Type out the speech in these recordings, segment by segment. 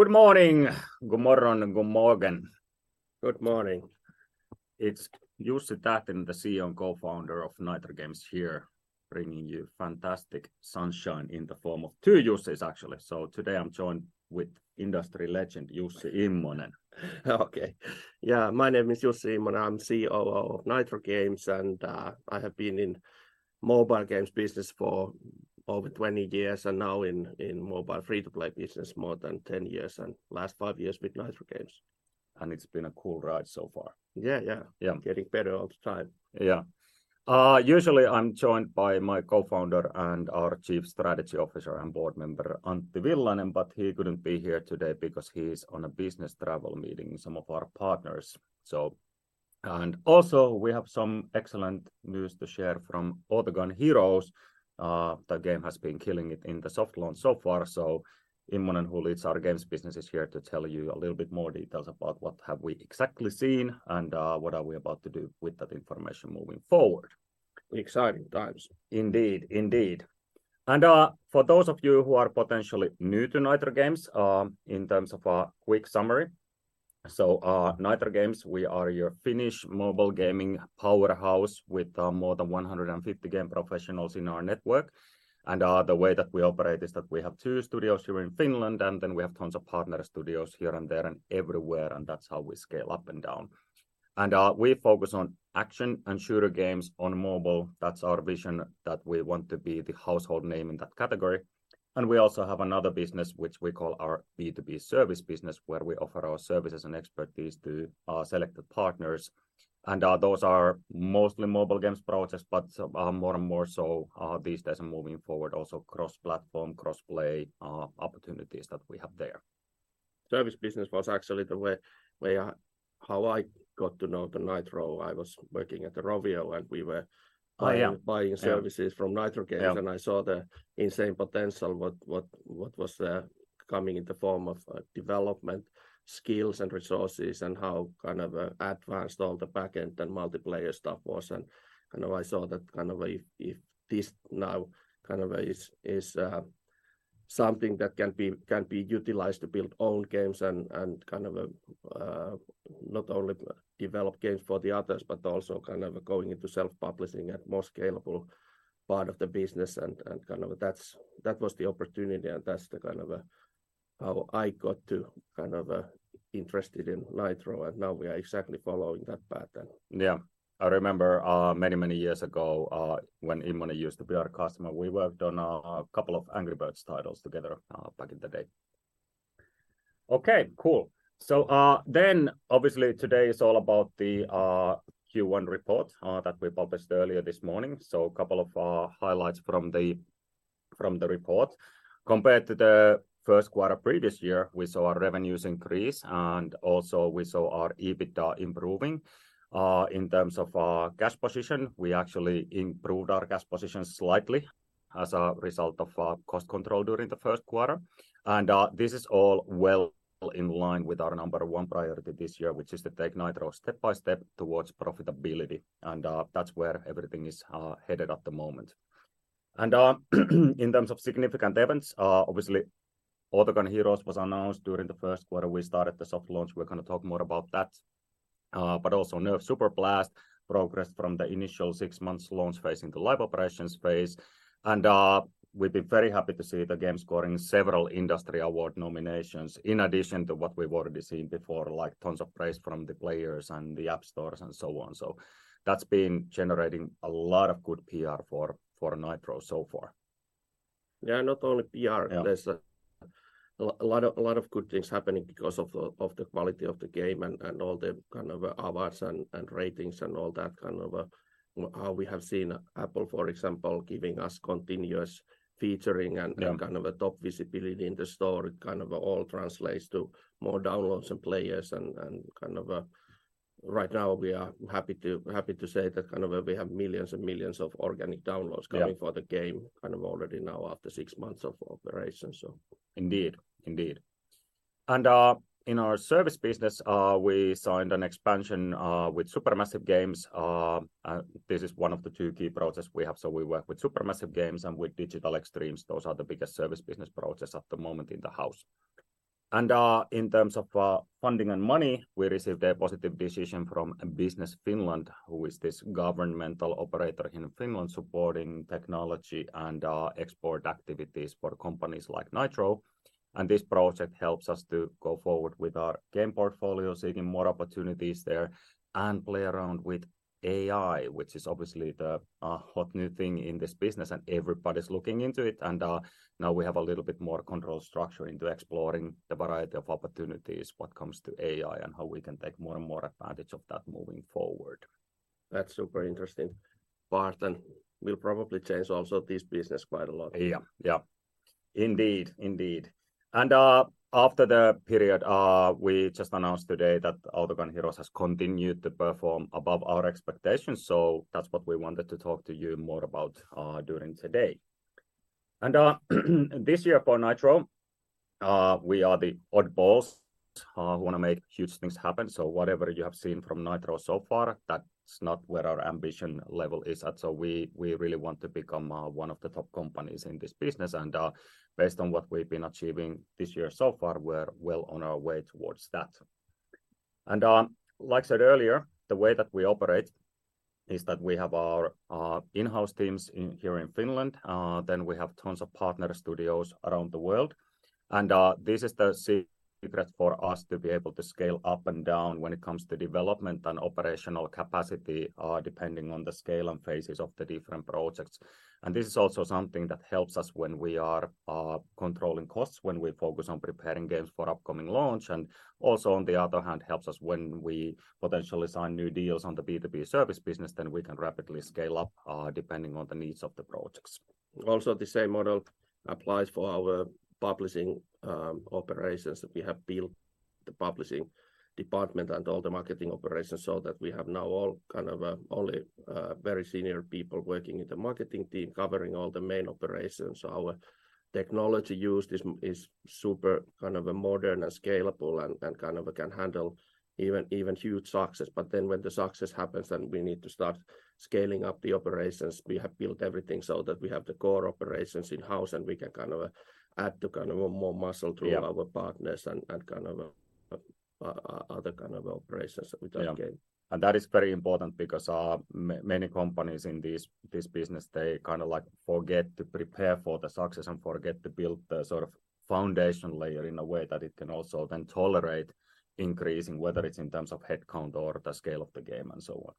Good morning. Good morning and good morning. Good morning. It's Jussi Tähtinen, the CEO and Co-founder of Nitro Games here, bringing you fantastic sunshine in the form of two Jussi, actually. Today I'm joined with industry legend, Jussi Immonen. Okay. Yeah, my name is Jussi Immonen. I'm COO of Nitro Games, and I have been in mobile games business for over 20 years, and now in mobile free-to-play business more than 10 years, and last five years with Nitro Games. It's been a cool ride so far. Yeah, yeah. Yeah. Getting better all the time. Yeah. usually I'm joined by my co-founder and our chief strategy officer and board member, Antti Villanen, but he couldn't be here today because he is on a business travel meeting some of our partners. We have some excellent news to share from Autogun Heroes. The game has been killing it in the soft launch so far, so Immonen, who leads our games business, is here to tell you a little bit more details about what have we exactly seen and what are we about to do with that information moving forward. Exciting times. Indeed. Indeed. For those of you who are potentially new to Nitro Games, in terms of a quick summary, Nitro Games, we are your Finnish mobile gaming powerhouse with more than 150 game professionals in our network. The way that we operate is that we have two studios here in Finland, then we have tons of partner studios here and there and everywhere, and that's how we scale up and down. We focus on action and shooter games on mobile. That's our vision, that we want to be the household name in that category. We also have another business, which we call our B2B service business, where we offer our services and expertise to selected partners. Those are mostly mobile games projects, but more and more so these days and moving forward, also cross-platform, cross-play opportunities that we have there. Service business was actually the way how I got to know the Nitro. I was working at the Rovio. Oh, yeah. Buying services from Nitro Games. Yeah. I saw the insane potential, what was there coming in the form of development, skills and resources, and how kind of advanced all the back-end and multiplayer stuff was. Kind of, I saw that, kind of, if this now, kind of, is something that can be utilized to build own games and kind of a not only develop games for the others, but also kind of going into self-publishing and more scalable part of the business and kind of... That's, that was the opportunity, and that's the kind of how I got to, kind of, interested in Nitro. Now we are exactly following that path. Yeah. I remember many, many years ago, when Immonen used to be our customer, we worked on a couple of Angry Birds titles together back in the day. Okay, cool. Obviously today is all about the Q1 report that we published earlier this morning. Couple of highlights from the report. Compared to the Q1 previous year, we saw our revenues increase, and also we saw our EBITDA improving. In terms of our cash position, we actually improved our cash position slightly as a result of our cost control during the Q1. This is all well in line with our number one priority this year, which is to take Nitro step by step towards profitability, and that's where everything is headed at the moment. In terms of significant events, obviously Autogun Heroes was announced during the Q1. We started the soft launch. We're gonna talk more about that. Also NERF: Superblast progressed from the initial six months launch phase into live operation phase. We've been very happy to see the game scoring several industry award nominations, in addition to what we've already seen before, like tons of praise from the players and the app stores and so on. That's been generating a lot of good PR for Nitro so far. Yeah, not only PR. Yeah. There's a lot of good things happening because of the quality of the game and all the kind of awards and ratings and all that. Kind of how we have seen Apple, for example, giving us continuous featuring. Yeah And kind of a top visibility in the store all translates to more downloads and players and... Right now we are happy to say that we have millions and millions of organic downloads- Yeah Coming for the game, kind of, already now after six months of operation. Indeed. Indeed. In our service business, we signed an expansion with Supermassive Games. This is one of the two key projects we have. We work with Supermassive Games and with Digital Extremes. Those are the biggest service business projects at the moment in the house. In terms of funding and money, we received a positive decision from Business Finland, who is this governmental operator here in Finland supporting technology and export activities for companies like Nitro. This project helps us to go forward with our game portfolio, seeking more opportunities there, and play around with AI, which is obviously the hot new thing in this business and everybody's looking into it. Now we have a little bit more control structure into exploring the variety of opportunities when it comes to AI and how we can take more and more advantage of that moving forward. That's super interesting. Part that will probably change also this business quite a lot. Yeah. Yeah. Indeed. Indeed. After the period, we just announced today that Autogun Heroes has continued to perform above our expectations, so that's what we wanted to talk to you more about during today. This year for Nitro, we are the oddballs, wanna make huge things happen. Whatever you have seen from Nitro so far, that's not where our ambition level is at. We really want to become one of the top companies in this business. Like I said earlier, the way that we operate is that we have our in-house teams here in Finland. We have tons of partner studios around the world, and this is the secret for us to be able to scale up and down when it comes to development and operational capacity, depending on the scale and phases of the different projects. This is also something that helps us when we are controlling costs, when we focus on preparing games for upcoming launch, and also, on the other hand, helps us when we potentially sign new deals on the B2B service business, then we can rapidly scale up, depending on the needs of the projects. Also, the same model applies for our publishing operations that we have built the publishing department and all the marketing operations so that we have now all kind of only very senior people working in the marketing team covering all the main operations. Our technology used is super kind of a modern and scalable and kind of can handle even huge success. When the success happens and we need to start scaling up the operations, we have built everything so that we have the core operations in-house and we can kind of add to kind of a more muscle through- Yeah Our partners and kind of other kind of operations with our game. Yeah. That is very important because many companies in this business, they kind of like forget to prepare for the success and forget to build the sort of foundation layer in a way that it can also then tolerate increasing, whether it's in terms of headcount or the scale of the game and so on.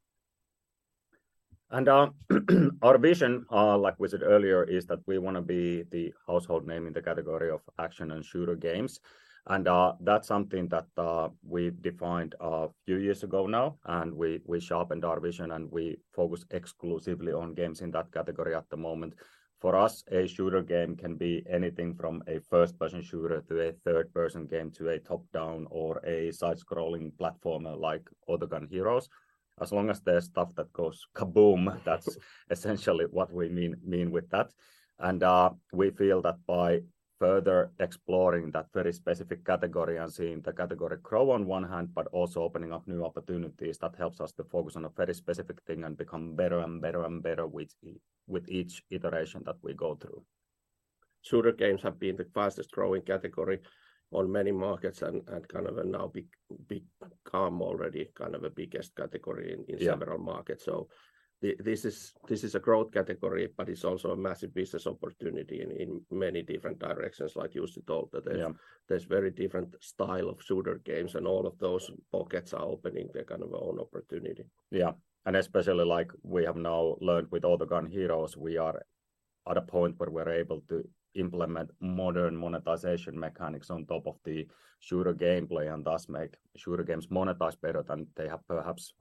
Our vision, like we said earlier, is that we wanna be the household name in the category of action and shooter games, and that's something that we've defined a few years ago now, and we sharpened our vision, and we focus exclusively on games in that category at the moment. For us, a shooter game can be anything from a first-person shooter to a third-person game to a top-down or a side-scrolling platformer like Autogun Heroes. As long as there's stuff that goes kaboom, that's essentially what we mean with that. We feel that by further exploring that very specific category and seeing the category grow on one hand, but also opening up new opportunities, that helps us to focus on a very specific thing and become better and better and better with each iteration that we go through. Shooter games have been the fastest-growing category on many markets and kind of now become already kind of a biggest category. Yeah in several markets. This is a growth category, but it's also a massive business opportunity in many different directions, like you just told that there's. Yeah There's very different style of shooter games, and all of those pockets are opening their kind of own opportunity. Yeah. Especially like we have now learned with Autogun Heroes, we are at a point where we're able to implement modern monetization mechanics on top of the shooter gameplay and thus make shooter games monetize better than they have perhaps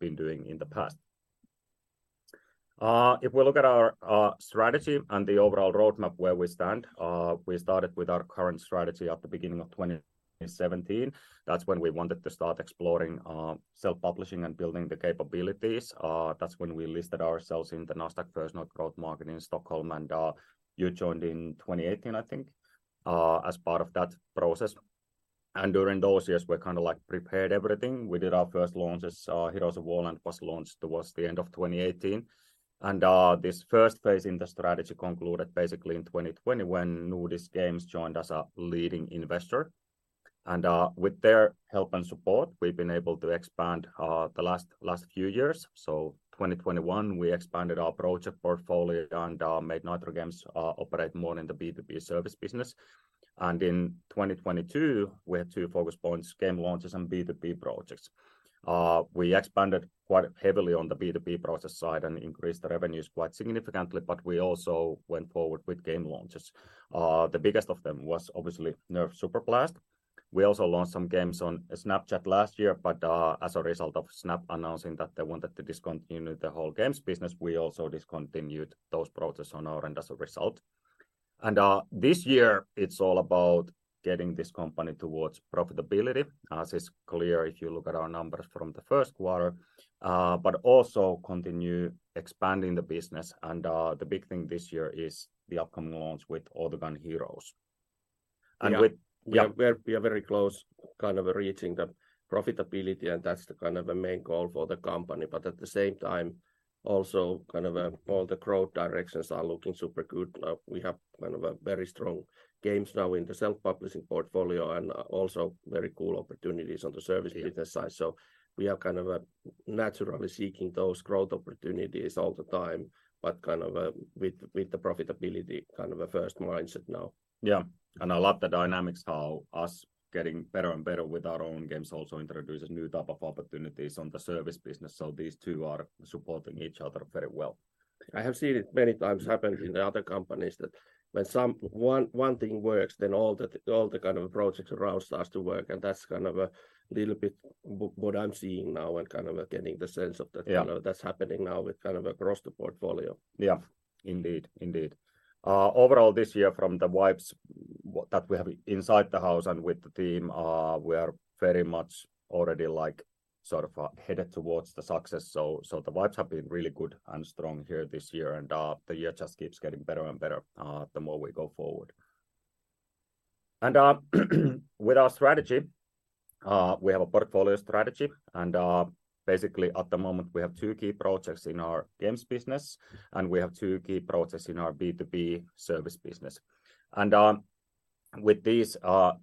been doing in the past. If we look at our strategy and the overall roadmap where we stand, we started with our current strategy at the beginning of 2017. That's when we wanted to start exploring self-publishing and building the capabilities. That's when we listed ourselves in the Nasdaq First North Growth Market in Stockholm, and you joined in 2018, I think, as part of that process. During those years, we kind of like prepared everything. We did our first launches. Heroes of Warland was launched towards the end of 2018. This first phase in the strategy concluded basically in 2020 when Nordisk Games joined as a leading investor. With their help and support, we've been able to expand the last few years. 2021, we expanded our project portfolio and made Nitro Games operate more in the B2B service business. In 2022, we had two focus points, game launches and B2B projects. We expanded quite heavily on the B2B process side and increased the revenues quite significantly. We also went forward with game launches. The biggest of them was obviously NERF: Superblast. We also launched some games on Snapchat last year, as a result of Snap announcing that they wanted to discontinue the whole games business, we also discontinued those projects on our end as a result. This year it's all about getting this company towards profitability, as is clear if you look at our numbers from the Q1, but also continue expanding the business. The big thing this year is the upcoming launch with Autogun Heroes. Yeah. Yeah. We are very close kind of reaching the profitability, and that's the kind of a main goal for the company. At the same time, also kind of, all the growth directions are looking super good. We have kind of a very strong games now in the self-publishing portfolio and also very cool opportunities on the service business side. Yeah. We are kind of, naturally seeking those growth opportunities all the time, but kind of, with the profitability kind of a first mindset now. Yeah. I like the dynamics how us getting better and better with our own games also introduces new type of opportunities on the service business. These two are supporting each other very well. I have seen it many times happen in the other companies that when one thing works, then all the kind of projects around starts to work. That's kind of a little bit what I'm seeing now and kind of getting the sense of that. Yeah You know, that's happening now with kind of across the portfolio. Yeah. Indeed. Indeed. Overall this year from the vibes that we have inside the house and with the team, we are very much already like sort of headed towards the success. The vibes have been really good and strong here this year, and the year just keeps getting better and better, the more we go forward. With our strategy, we have a portfolio strategy, and basically at the moment, we have two key projects in our games business, and we have two key projects in our B2B service business. With these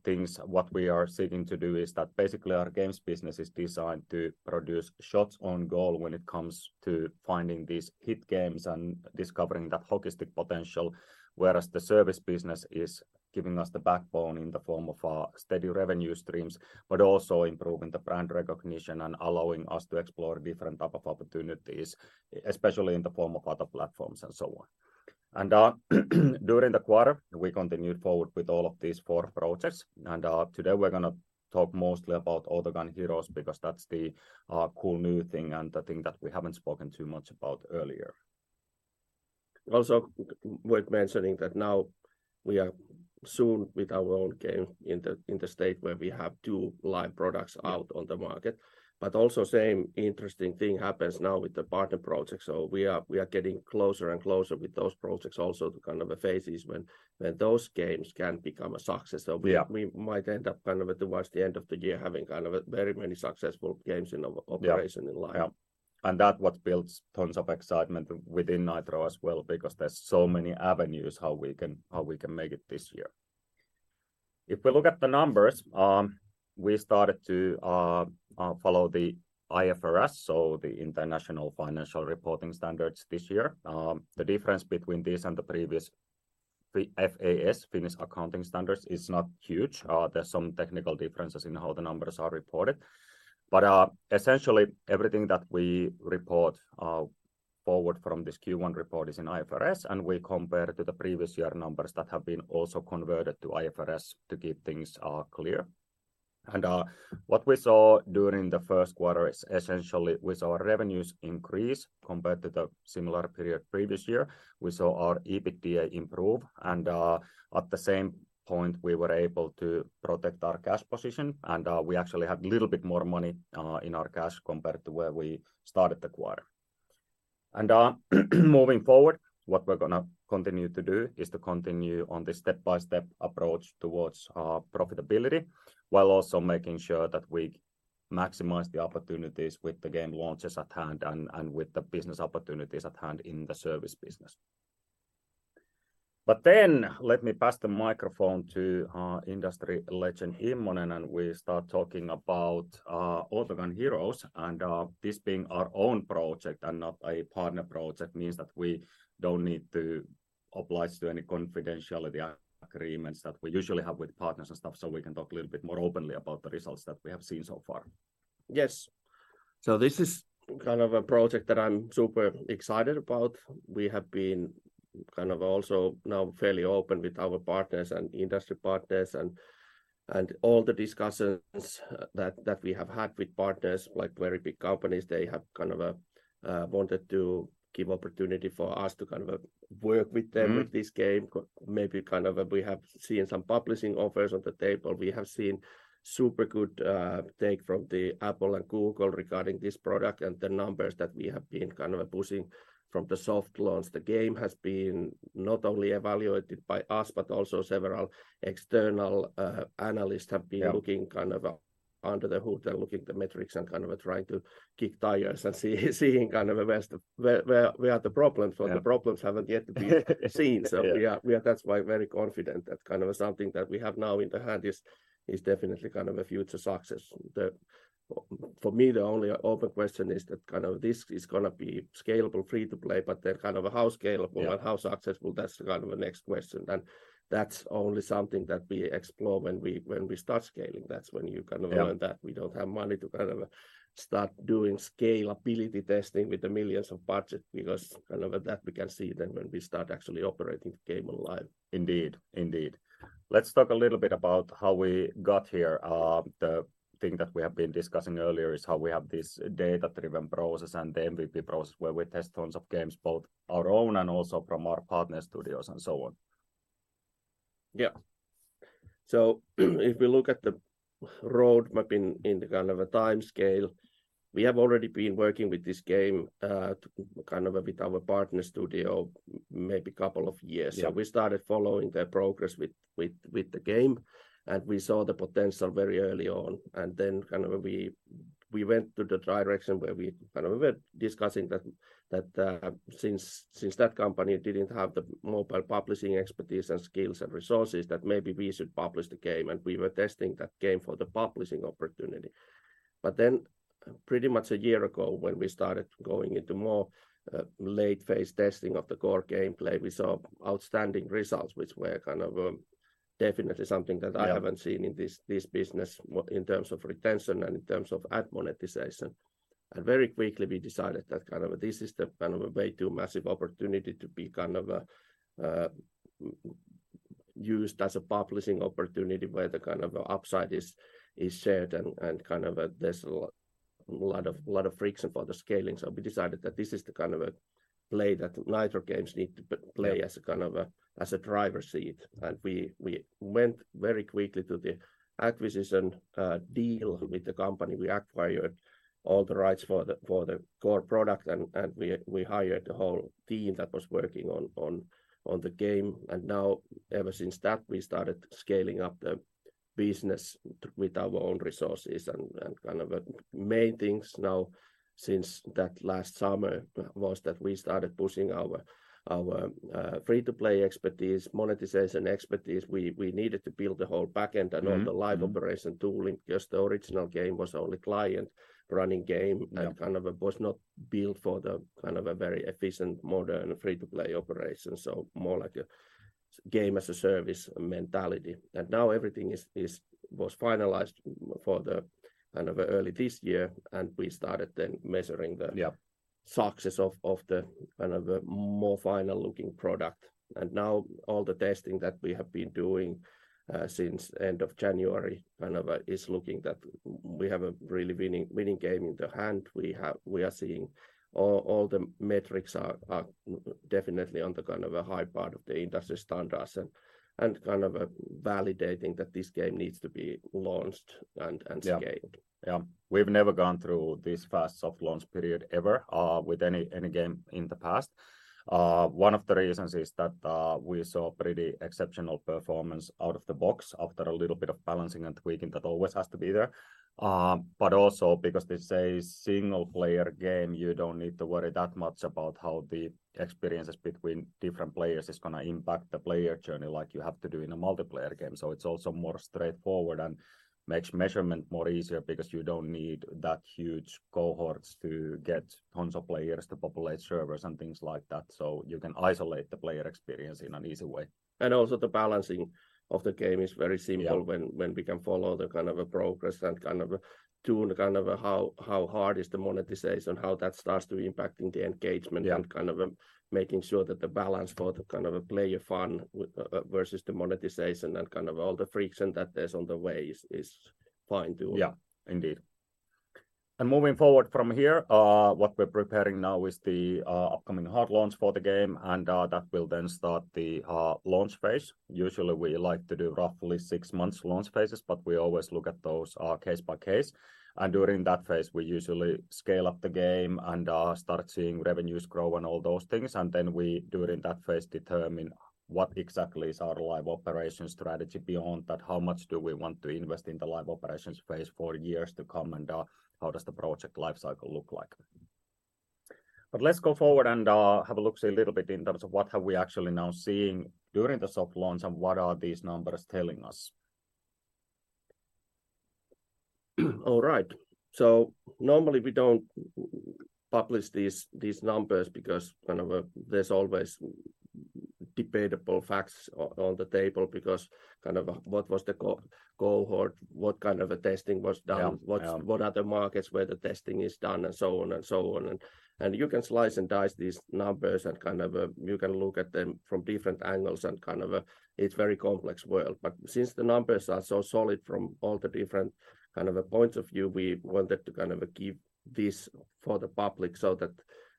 things, what we are seeking to do is that basically our games business is designed to produce shots on goal when it comes to finding these hit games and discovering that hockey stick potential, whereas the service business is giving us the backbone in the form of steady revenue streams, but also improving the brand recognition and allowing us to explore different type of opportunities, especially in the form of other platforms and so on. During the quarter, we continued forward with all of these four projects, and today we're gonna talk mostly about Autogun Heroes because that's the cool new thing and the thing that we haven't spoken too much about earlier. Worth mentioning that now we are soon with our own game in the state where we have two live products out on the market. Same interesting thing happens now with the partner project. We are getting closer and closer with those projects also to kind of a phases when those games can become a success. Yeah. We might end up kind of towards the end of the year having kind of very many successful games in operation. Yeah in line. That's what builds tons of excitement within Nitro as well, because there's so many avenues how we can, how we can make it this year. If we look at the numbers, we started to follow the IFRS, so the International Financial Reporting Standards this year. The difference between this and the previous FAS, Finnish Accounting Standards, is not huge. There's some technical differences in how the numbers are reported. Essentially everything that we report forward from this Q1 report is in IFRS, and we compare to the previous year numbers that have been also converted to IFRS to keep things clear. What we saw during the Q1 is essentially with our revenues increase compared to the similar period previous year, we saw our EBITDA improve, at the same point, we were able to protect our cash position, we actually had a little bit more money in our cash compared to where we started the quarter. Moving forward, what we're gonna continue to do is to continue on this step-by-step approach towards profitability, while also making sure that we maximize the opportunities with the game launches at hand and with the business opportunities at hand in the service business. Let me pass the microphone to industry legend Immonen, and we start talking about Autogun Heroes, and this being our own project and not a partner project means that we don't need to oblige to any confidentiality agreements that we usually have with partners and stuff, so we can talk a little bit more openly about the results that we have seen so far. Yes. So this is- Kind of a project that I'm super excited about. We have been kind of also now fairly open with our partners and industry partners and all the discussions that we have had with partners, like very big companies, they have kind of wanted to give opportunity for us to kind of work with them. Mm-hmm With this game. Maybe kind of we have seen some publishing offers on the table. We have seen super good take from the Apple and Google regarding this product and the numbers that we have been kind of pushing from the soft launch. The game has been not only evaluated by us, but also several external analysts. Yeah Looking kind of under the hood and looking the metrics and kind of trying to kick tires and seeing kind of where are the problems. Yeah For the problems haven't yet seen. Yeah. We are that's why very confident that kind of something that we have now in the hand is definitely kind of a future success. For me, the only open question is that kind of this is gonna be scalable free to play, but then kind of how scalable. Yeah And how successful, that's kind of a next question. That's only something that we explore when we, when we start scaling. That's when you kind of learn that. Yeah. We don't have money to kind of start doing scalability testing with the millions of budget because kind of that we can see then when we start actually operating the game live. Indeed. Indeed. Let's talk a little bit about how we got here. The thing that we have been discussing earlier is how we have this data-driven process and the MVP process where we test tons of games, both our own and also from our partner studios and so on. Yeah. If we look at the roadmap in the kind of a timescale, we have already been working with this game, with our partner studio maybe 2 years. Yeah. We started following their progress with the game, and we saw the potential very early on, and then we went to the direction where we were discussing that since that company didn't have the mobile publishing expertise and skills and resources, that maybe we should publish the game, and we were testing that game for the publishing opportunity. Pretty much a year ago, when we started going into more late phase testing of the core gameplay, we saw outstanding results which were definitely something that. Yeah Haven't seen in this business in terms of retention and in terms of ad monetization. Very quickly we decided that kind of this is the kind of a way too massive opportunity to be kind of a used as a publishing opportunity where the kind of upside is shared and kind of there's a lot of friction for the scaling. We decided that this is the kind of a play that Nitro Games need to play as a kind of a, as a driver's seat. We went very quickly to the acquisition deal with the company. We acquired all the rights for the core product, and we hired the whole team that was working on the game. Now ever since that, we started scaling up the business with our own resources and kind of, main things now since that last summer was that we started pushing our free-to-play expertise, monetization expertise. We needed to build the whole back end. Mm-hmm, mm-hmm And all the live operation tooling because the original game was only client-running. Yeah Kind of was not built for the kind of a very efficient, modern free-to-play operation, so more like a Games as a Service mentality. Now everything was finalized for the kind of early this year, and we started then measuring the. Yeah Success of the kind of a more final looking product. Now all the testing that we have been doing since end of January kind of is looking that we have a really winning game in the hand. We are seeing all the metrics are definitely on the kind of a high part of the industry standards and kind of validating that this game needs to be launched and scaled. Yeah, yeah. We've never gone through this fast soft launch period ever, with any game in the past. One of the reasons is that, we saw pretty exceptional performance out of the box after a little bit of balancing and tweaking that always has to be there. Also because it's a single player game, you don't need to worry that much about how the experiences between different players is going to impact the player journey like you have to do in a multiplayer game. It's also more straightforward and makes measurement more easier because you don't need that huge cohorts to get tons of players to populate servers and things like that, so you can isolate the player experience in an easy way. Also the balancing of the game is very simple. Yeah When we can follow the kind of a progress and kind of tune kind of how hard is the monetization, how that starts to impacting the engagement... Yeah And kind of, making sure that the balance for the kind of player fun versus the monetization and kind of all the friction that there's on the way is fine-tuned. Indeed. Moving forward from here, what we're preparing now is the upcoming hard launch for the game, and that will then start the launch phase. Usually, we like to do roughly 6 months launch phases, but we always look at those case by case. During that phase, we usually scale up the game and start seeing revenues grow and all those things. Then we, during that phase, determine what exactly is our live operations strategy beyond that, how much do we want to invest in the live operations phase for years to come, and how does the project life cycle look like. Let's go forward and have a look-see a little bit in terms of what have we actually now seeing during the soft launch and what are these numbers telling us. All right. Normally we don't publish these numbers because kind of, there's always debatable facts on the table because kind of, what was the cohort, what kind of a testing was done. Yeah, yeah. What are the markets where the testing is done, and so on and so on. You can slice and dice these numbers and kind of, you can look at them from different angles and kind of. It's very complex world. Since the numbers are so solid from all the different kind of points of view, we wanted to kind of, give this for the public so that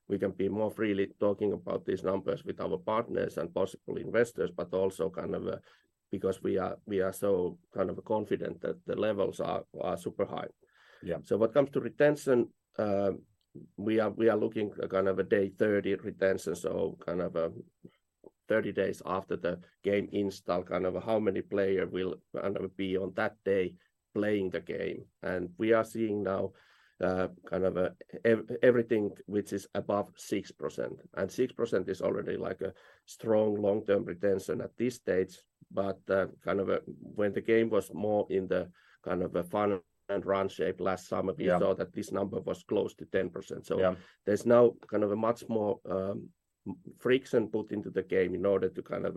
we can be more freely talking about these numbers with our partners and possible investors, also kind of, because we are so kind of confident that the levels are super high. Yeah. When it comes to retention, we are looking kind of a day 30 retention, so kind of, 30 days after the game install, kind of how many player will be on that day playing the game. We are seeing now, kind of everything which is above 6%, and 6% is already like a strong long-term retention at this stage. When the game was more in the kind of a fun and run shape last summer. Yeah We saw that this number was close to 10%. Yeah There's now kind of a much more friction put into the game in order to kind of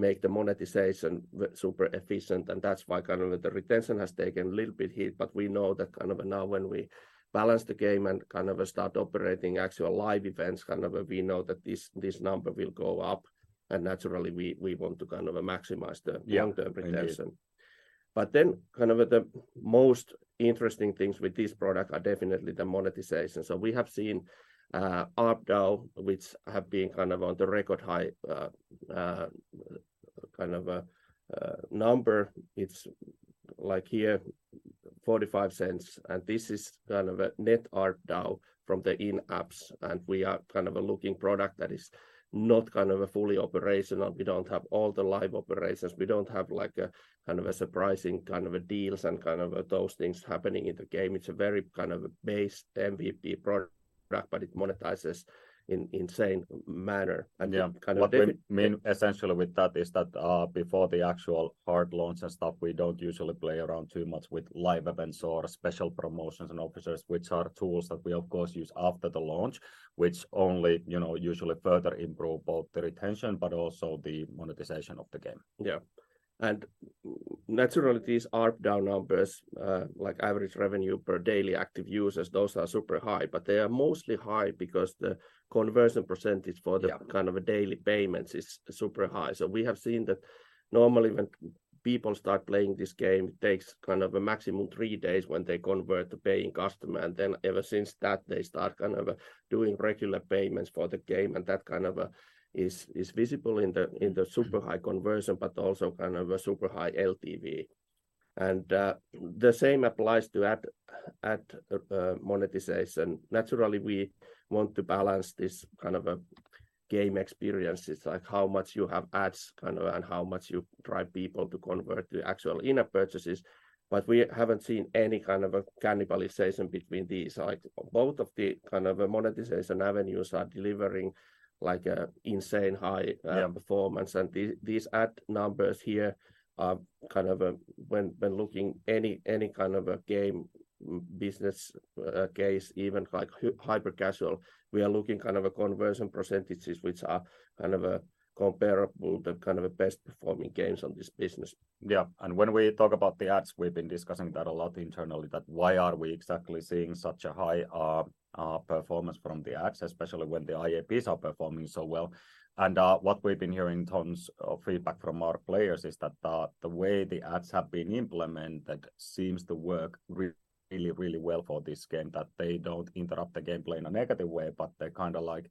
make the monetization super efficient, and that's why kind of the retention has taken a little bit hit. We know that kind of now when we balance the game and kind of start operating actual live events, kind of, we know that this number will go up, and naturally we want to kind of maximize the. Yeah, indeed. Long-term retention. The most interesting things with this product are definitely the monetization. We have seen ARPDAU, which have been on the record high number. It's like here $0.45. This is a net ARPDAU from the in-apps. We are a looking product that is not fully operational. We don't have all the live operations. We don't have surprising deals and those things happening in the game. It's a very base MVP product, but it monetizes in insane manner. Yeah. What we mean essentially with that is that, before the actual hard launch and stuff, we don't usually play around too much with live events or special promotions and offers, which are tools that we of course use after the launch, which only, you know, usually further improve both the retention but also the monetization of the game. Yeah. Naturally these ARPDAU numbers, like average revenue per daily active users, those are super high, but they are mostly high because the conversion % for. Yeah Kind of a daily payments is super high. We have seen that normally when people start playing this game, it takes kind of a maximum three days when they convert to paying customer, ever since that, they start kind of doing regular payments for the game, and that kind of is visible in the super high conversion but also kind of a super high LTV. The same applies to ad monetization. Naturally, we want to balance this kind of a game experience. It's like how much you have ads kind of and how much you drive people to convert to actual in-app purchases. We haven't seen any kind of a cannibalization between these. Like, both of the kind of a monetization avenues are delivering like a insane high... Yeah Performance. These ad numbers here are kind of, when looking any kind of a game business case even like hyper-casual, we are looking kind of conversion % which are kind of comparable to kind of best performing games on this business. Yeah. When we talk about the ads, we've been discussing that a lot internally that why are we exactly seeing such a high performance from the ads, especially when the IAP are performing so well. What we've been hearing tons of feedback from our players is that the way the ads have been implemented seems to work really, really well for this game, that they don't interrupt the gameplay in a negative way, but they kinda like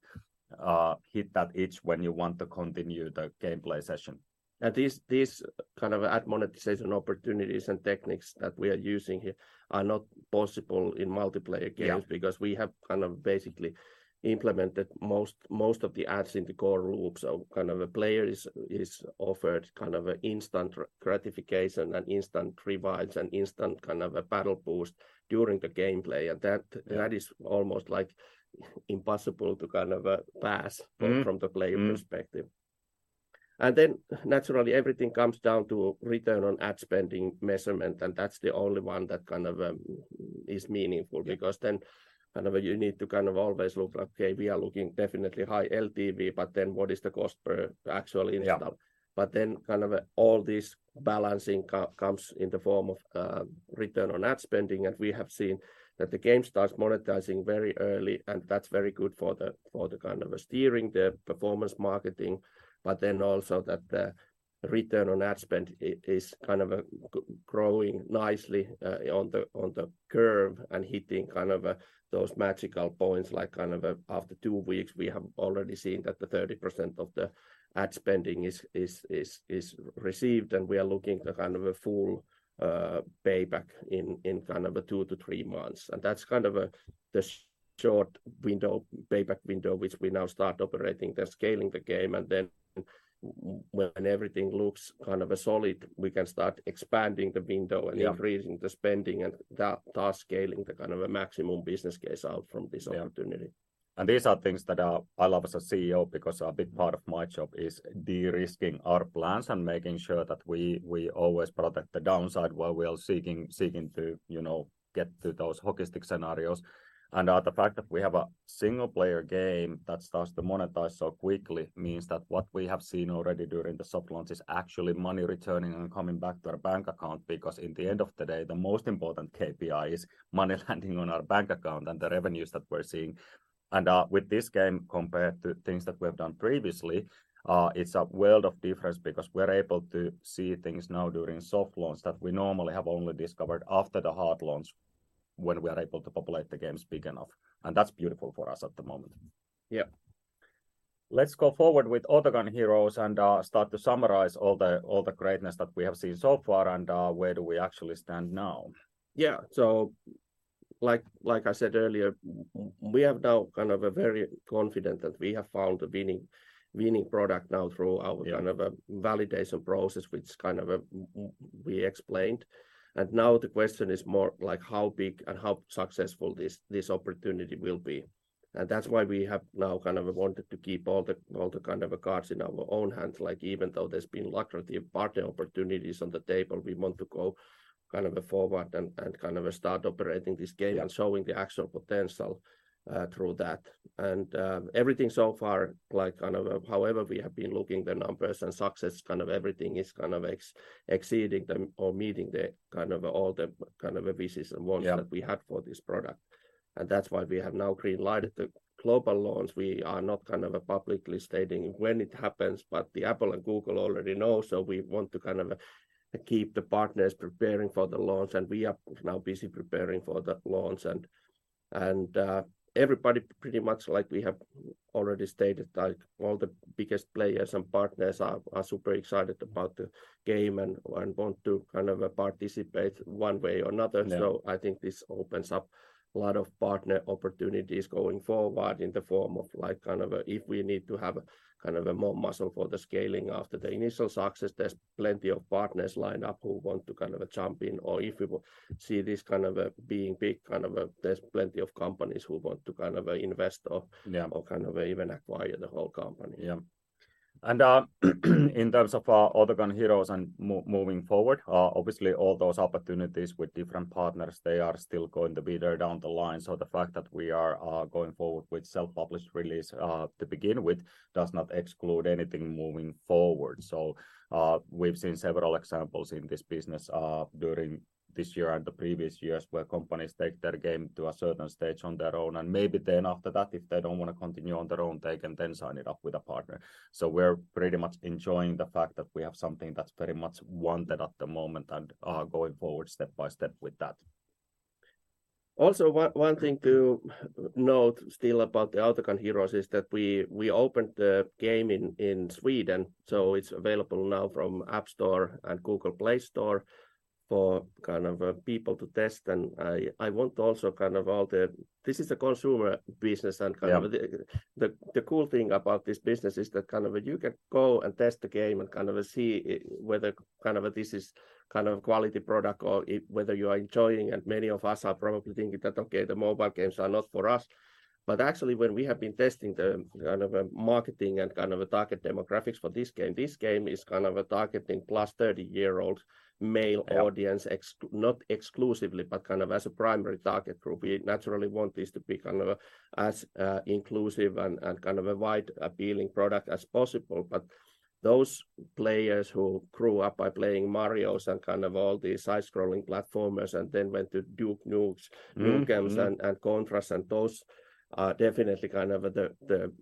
hit that itch when you want to continue the gameplay session. These kind of ad monetization opportunities and techniques that we are using here are not possible in multiplayer games. Yeah Because we have kind of basically implemented most of the ads in the core loops. Kind of a player is offered kind of a instant gratification and instant revives and instant kind of a battle boost during the gameplay. Yeah That is almost like impossible to kind of. Mm From the player perspective. Naturally everything comes down to return on ad spend measurement. That's the only one that kind of is meaningful because kind of you need to kind of always look like, okay, we are looking definitely high LTV. What is the cost per actual install? Yeah. Kind of all this balancing comes in the form of return on ad spend, and we have seen that the game starts monetizing very early, and that's very good for the kind of steering the performance marketing, but then also that the return on ad spend is kind of growing nicely on the curve and hitting kind of those magical points like kind of after 2 weeks, we have already seen that the 30% of the ad spending is received, and we are looking at kind of a full payback in kind of 2-3 months. That's kind of a, the short window, payback window, which we now start operating the scaling the game, and then when everything looks kind of a solid, we can start expanding the window. Yeah Increasing the spending and thus scaling the kind of a maximum business case out from this opportunity. Yeah. These are things that I love as a CEO because a big part of my job is de-risking our plans and making sure that we always protect the downside while we are seeking to, you know, get to those hockey stick scenarios. The fact that we have a single player game that starts to monetize so quickly means that what we have seen already during the soft launch is actually money returning and coming back to our bank account because in the end of the day, the most important KPI is money landing on our bank account and the revenues that we're seeing. With this game compared to things that we have done previously, it's a world of difference because we're able to see things now during soft launch that we normally have only discovered after the hard launch when we are able to populate the games big enough, and that's beautiful for us at the moment. Yeah. Let's go forward with Autogun Heroes and start to summarize all the greatness that we have seen so far and where do we actually stand now. Yeah. like I said earlier, we have now kind of a very confident that we have found a winning product now through our. Yeah Kind of a validation process, which kind of, we explained. Now the question is more like how big and how successful this opportunity will be. That's why we have now kind of wanted to keep all the kind of cards in our own hands. Like, even though there's been lucrative partner opportunities on the table, we want to go kind of forward and kind of start operating this game and showing the actual potential through that. Everything so far, like kind of however we have been looking the numbers and success, kind of everything is exceeding them or meeting the kind of all the kind of wishes and wants. Yeah That we had for this product. That's why we have now green-lighted the global launch. We are not kind of publicly stating when it happens, but Apple and Google already know, so we want to kind of keep the partners preparing for the launch, and we are now busy preparing for the launch. Everybody pretty much like we have already stated, like all the biggest players and partners are super excited about the game and want to kind of participate one way or another. Yeah. I think this opens up a lot of partner opportunities going forward in the form of like if we need to have more muscle for the scaling after the initial success, there's plenty of partners lined up who want to jump in, or if we will see this being big, there's plenty of companies who want to invest or. Yeah Or kind of even acquire the whole company. Yeah. In terms of Autogun Heroes and moving forward, obviously all those opportunities with different partners, they are still going to be there down the line. The fact that we are going forward with self-published release to begin with does not exclude anything moving forward. We've seen several examples in this business during this year and the previous years where companies take their game to a certain stage on their own, and maybe then after that, if they don't want to continue on their own, they can then sign it up with a partner. We're pretty much enjoying the fact that we have something that's very much wanted at the moment and are going forward step by step with that. Also, one thing to note still about the Autogun Heroes is that we opened the game in Sweden, so it's available now from App Store and Google Play Store for kind of people to test. I want also kind of all the... This is a consumer business and kind of- Yeah. The cool thing about this business is that kind of you can go and test the game and kind of see whether kind of this is kind of quality product or whether you are enjoying. Many of us are probably thinking that, "Okay, the mobile games are not for us." Actually, when we have been testing the kind of marketing and kind of a target demographics for this game, this game is kind of a targeting plus 30-year-old male. Yeah Audience not exclusively, but kind of as a primary target group. We naturally want this to be kind of a as inclusive and kind of a wide appealing product as possible. Those players who grew up by playing Mario and kind of all the side-scrolling platformers and then went to Duke Nukem. Mm-hmm, mm-hmm Nukem's and Contra and those are definitely kind of the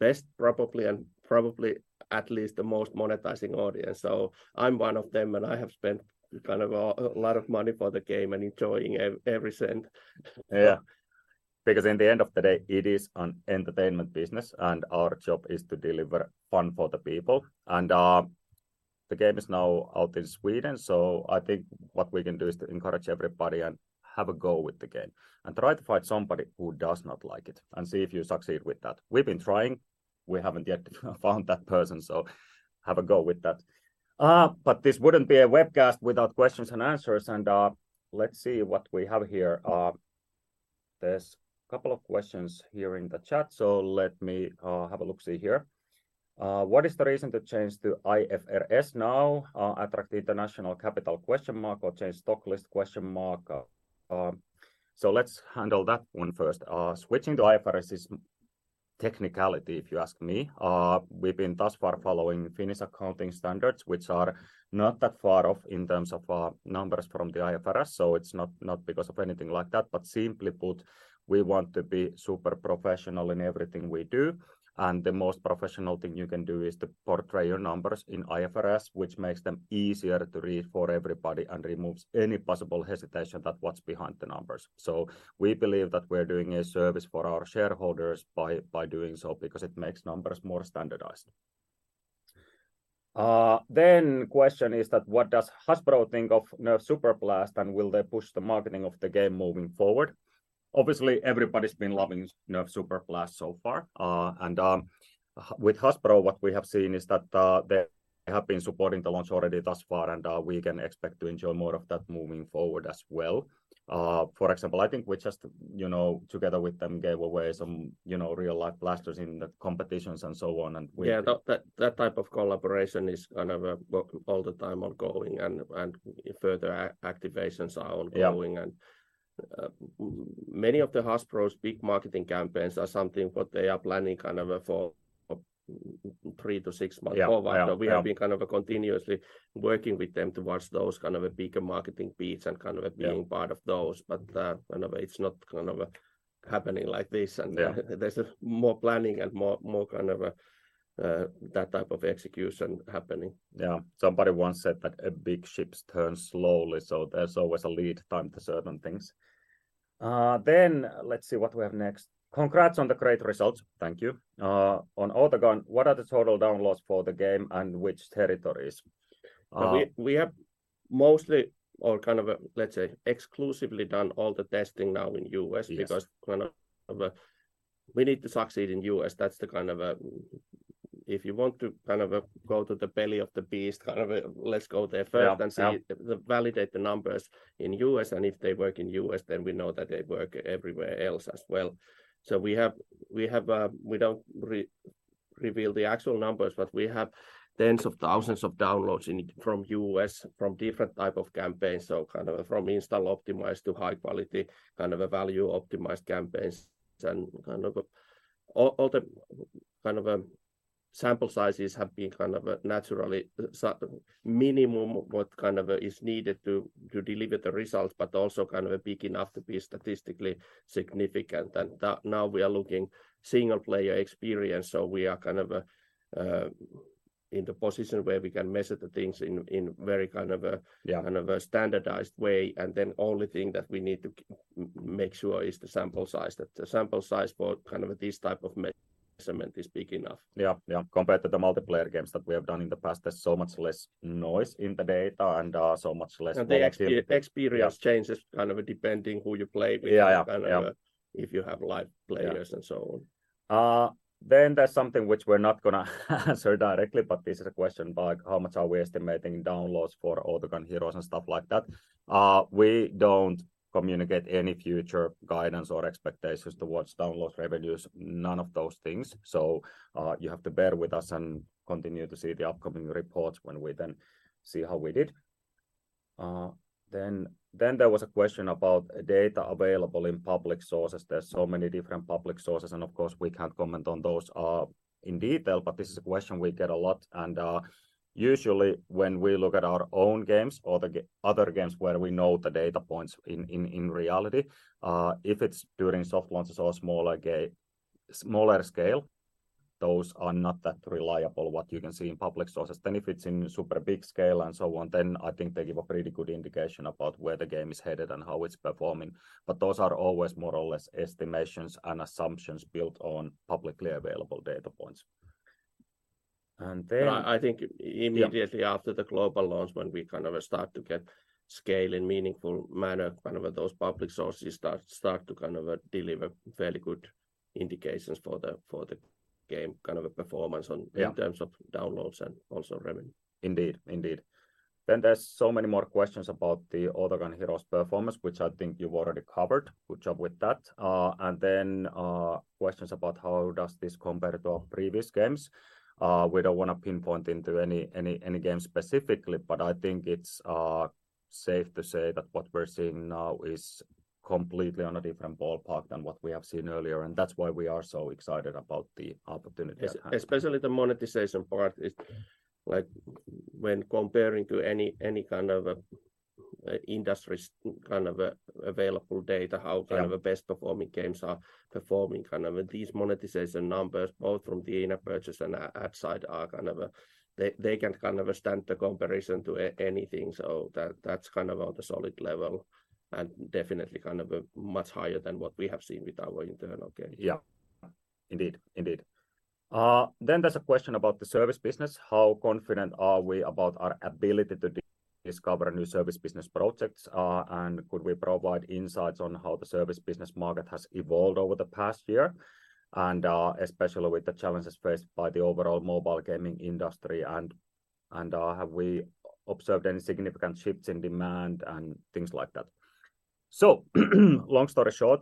best probably and probably at least the most monetizing audience. I'm one of them, and I have spent kind of a lot of money for the game and enjoying every cent. Because in the end of the day, it is an entertainment business, and our job is to deliver fun for the people. The game is now out in Sweden, so I think what we can do is to encourage everybody and have a go with the game and try to find somebody who does not like it and see if you succeed with that. We've been trying. We haven't yet found that person, so have a go with that. This wouldn't be a webcast without questions and answers and, let's see what we have here. There's a couple of questions here in the chat, so let me have a look-see here. What is the reason to change to IFRS now? Attract international capital? Or change stock list? Let's handle that one first. Switching to IFRS is technicality if you ask me. We've been thus far following Finnish Accounting Standards, which are not that far off in terms of numbers from the IFRS, so it's not because of anything like that. Simply put, we want to be super professional in everything we do, and the most professional thing you can do is to portray your numbers in IFRS, which makes them easier to read for everybody and removes any possible hesitation about what's behind the numbers. We believe that we're doing a service for our shareholders by doing so because it makes numbers more standardized. Question is that what does Hasbro think of NERF: Superblast and will they push the marketing of the game moving forward? Obviously, everybody's been loving NERF: Superblast so far. With Hasbro, what we have seen is that they have been supporting the launch already thus far and we can expect to enjoy more of that moving forward as well. For example, I think we just, you know, together with them gave away some, you know, real life blasters in the competitions and so on. Yeah. That type of collaboration is kind of, all the time ongoing and further activations are ongoing. Yeah. Many of the Hasbro's big marketing campaigns are something what they are planning kind of, for 3-6 months. Yeah. Yeah. Yeah. Forward. We have been kind of continuously working with them towards those kind of a bigger marketing beats. Yeah Being part of those. kind of, it's not kind of happening like this. Yeah. There's a more planning and more kind of that type of execution happening. Yeah. Somebody once said that a big ships turn slowly, so there's always a lead time to certain things. Let's see what we have next. Congrats on the great results. Thank you. On Autogun, what are the total downloads for the game and which territories? We have mostly or kind of, let's say, exclusively done all the testing now in US. Yes Because kind of, we need to succeed in U.S. That's the kind of, if you want to kind of go to the belly of the beast, kind of, let's go there first. Yeah. Yeah. And see the validate the numbers in U.S., and if they work in U.S., then we know that they work everywhere else as well. We have, we don't re-reveal the actual numbers, but we have tens of thousands of downloads from U.S., from different type of campaigns, so kind of from install optimized to high quality, kind of a value optimized campaigns and kind of. All the kind of sample sizes have been kind of naturally minimum what kind of is needed to deliver the results, but also kind of big enough to be statistically significant. Now, we are looking single player experience, so we are kind of in the position where we can measure the things in very kind of. Yeah Kind of a standardized way. Only thing that we need to make sure is the sample size. The sample size for kind of this type of measurement is big enough. Yeah. Yeah. Compared to the multiplayer games that we have done in the past, there's so much less noise in the data and. The experience. Yeah Changes kind of depending who you play with. Yeah. Yeah. Yeah. If you have live players- Yeah And so on. There's something which we're not gonna answer directly, but this is a question about how much are we estimating downloads for Autogun Heroes and stuff like that. We don't communicate any future guidance or expectations towards downloads, revenues, none of those things. So, you have to bear with us and continue to see the upcoming reports when we then see how we did. There was a question about data available in public sources. There's so many different public sources, and of course, we can't comment on those in detail, but this is a question we get a lot. Usually, when we look at our own games or other games where we know the data points in reality, if it's during soft launches or smaller scale, those are not that reliable, what you can see in public sources. If it's in super big scale and so on, I think they give a pretty good indication about where the game is headed and how it's performing. Those are always more or less estimations and assumptions built on publicly available data points. I think. Yeah After the global launch, when we kind of start to get scale in meaningful manner, kind of those public sources start to kind of deliver fairly good indications for the, for the game, kind of a performance on... Yeah In terms of downloads and also revenue. Indeed. Indeed. There's so many more questions about the Autogun Heroes performance, which I think you've already covered. Good job with that. Questions about how does this compare to previous games. We don't wanna pinpoint into any game specifically, but I think it's safe to say that what we're seeing now is completely on a different ballpark than what we have seen earlier, and that's why we are so excited about the opportunity at hand. Especially the monetization part is, like, when comparing to any kind of a industry's kind of a available data. Yeah Kind of best performing games are performing, kind of these monetization numbers, both from the in-app purchase and 広告 side, they can kind of stand the comparison to anything. That's kind of on a solid level and definitely kind of much higher than what we have seen with our internal games. Indeed. Indeed. There's a question about the service business. How confident are we about our ability to discover new service business projects, and could we provide insights on how the service business market has evolved over the past year, and especially with the challenges faced by the overall mobile gaming industry, and have we observed any significant shifts in demand and things like that? Long story short,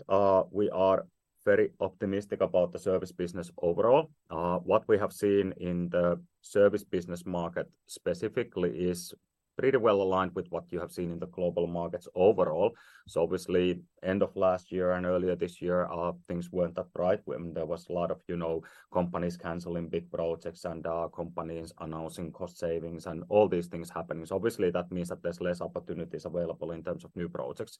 we are very optimistic about the service business overall. What we have seen in the service business market specifically is pretty well aligned with what you have seen in the global markets overall. Obviously, end of last year and earlier this year, things weren't that bright when there was a lot of, you know, companies canceling big projects and companies announcing cost savings and all these things happening. Obviously, that means that there's less opportunities available in terms of new projects.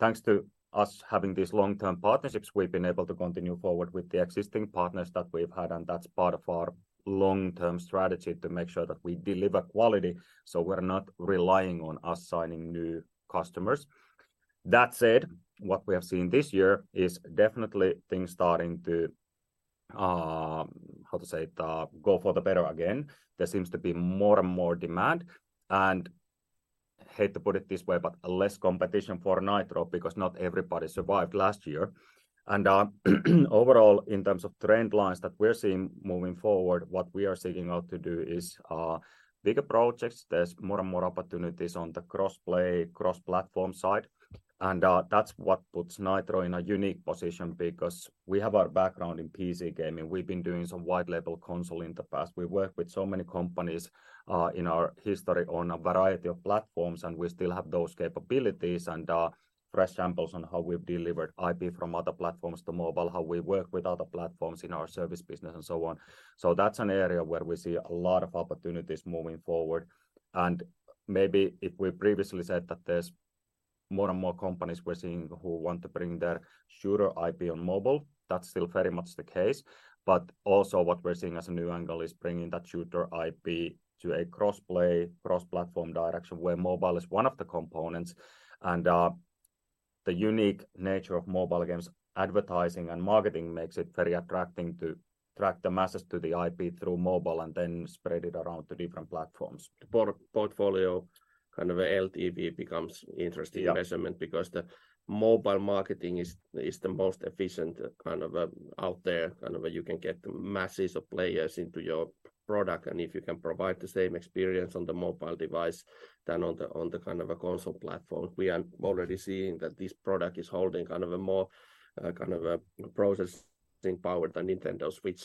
Thanks to us having these long-term partnerships, we've been able to continue forward with the existing partners that we've had. That's part of our long-term strategy to make sure that we deliver quality, we're not relying on us signing new customers. That said, what we have seen this year is definitely things starting to go for the better again. There seems to be more and more demand. I hate to put it this way, less competition for Nitro because not everybody survived last year. Overall, in terms of trend lines that we're seeing moving forward, what we are seeking out to do is bigger projects. There's more and more opportunities on the cross-play, cross-platform side. That's what puts Nitro in a unique position because we have our background in PC gaming. We've been doing some wide-level console in the past. We work with so many companies in our history on a variety of platforms, and we still have those capabilities and fresh samples on how we've delivered IP from other platforms to mobile, how we work with other platforms in our service business, and so on. That's an area where we see a lot of opportunities moving forward. Maybe if we previously said that there's more and more companies we're seeing who want to bring their shooter IP on mobile, that's still very much the case. Also what we're seeing as a new angle is bringing that shooter IP to a cross-play, cross-platform direction where mobile is one of the components. The unique nature of mobile games advertising and marketing makes it very attracting to track the masses to the IP through mobile and then spread it around to different platforms. Portfolio, kind of LTV becomes interesting. Yeah Investment because the mobile marketing is the most efficient kind of, out there, kind of where you can get masses of players into your product. If you can provide the same experience on the mobile device than on the, on the kind of a console platform. We are already seeing that this product is holding kind of a more, kind of a processing power than Nintendo Switch.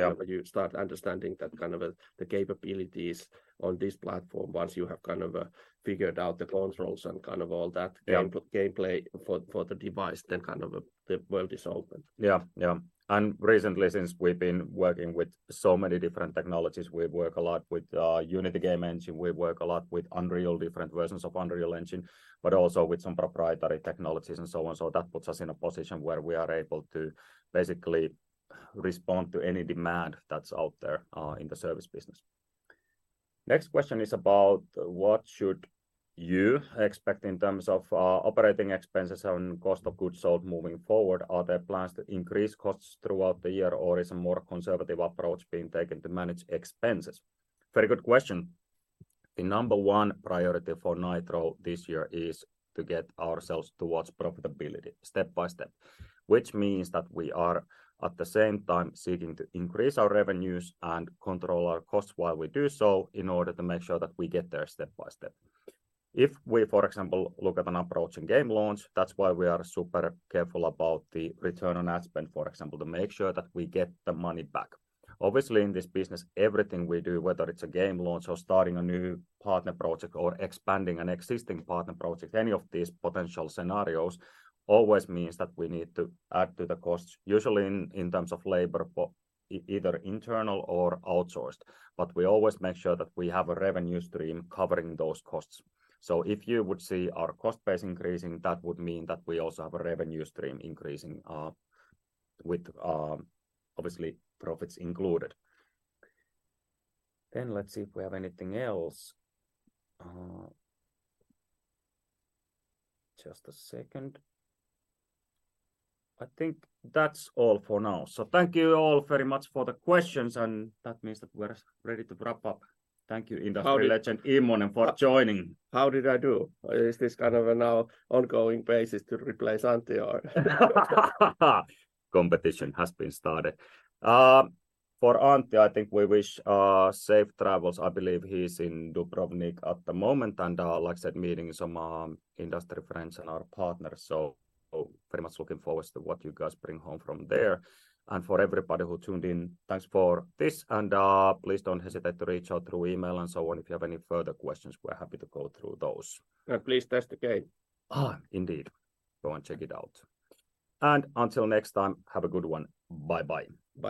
Yeah You start understanding that kind of, the capabilities on this platform, once you have kind of, figured out the controls and kind of all that- Yeah Gameplay for the device, then kind of the world is open. Yeah. Recently, since we've been working with so many different technologies, we work a lot with Unity game engine, we work a lot with Unreal, different versions of Unreal Engine, but also with some proprietary technologies and so on. That puts us in a position where we are able to basically respond to any demand that's out there in the service business. Next question is about what should you expect in terms of operating expenses and cost of goods sold moving forward. Are there plans to increase costs throughout the year, or is a more conservative approach being taken to manage expenses? Very good question. The number one priority for Nitro this year is to get ourselves towards profitability step by step, which means that we are, at the same time, seeking to increase our revenues and control our costs while we do so, in order to make sure that we get there step by step. If we, for example, look at an approaching game launch, that's why we are super careful about the return on ad spend, for example, to make sure that we get the money back. Obviously, in this business, everything we do, whether it's a game launch or starting a new partner project or expanding an existing partner project, any of these potential scenarios always means that we need to add to the costs, usually in terms of labor, but either internal or outsourced. We always make sure that we have a revenue stream covering those costs. If you would see our cost base increasing, that would mean that we also have a revenue stream increasing, with obviously profits included. Let's see if we have anything else. Just a second. I think that's all for now. Thank you all very much for the questions, and that means that we're ready to wrap up. Thank you, industry legend Immonen, for joining. How did I do? Is this kind of an on-going basis to replace Antti or? Competition has been started. For Antti, I think we wish safe travels. I believe he's in Dubrovnik at the moment, and, like I said, meeting some industry friends and our partners. Pretty much looking forward to what you guys bring home from there. For everybody who tuned in, thanks for this, and please don't hesitate to reach out through email and so on if you have any further questions. We're happy to go through those. Please test the game. Indeed. Go and check it out. Until next time, have a good one. Bye bye. Bye.